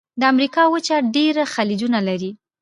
د امریکا وچه ډېر خلیجونه لري.